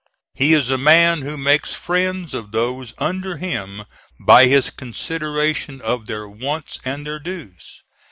He is a man who makes friends of those under him by his consideration of their wants and their dues.